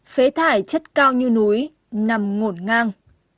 phế thải chất cao như núi nằm ngổn ngang